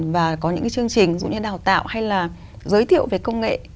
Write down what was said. và có những cái chương trình cũng như đào tạo hay là giới thiệu về công nghệ